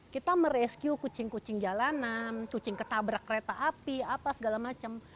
kita merescue kucing kucing jalanan kucing ketabrak kereta api apa segala macam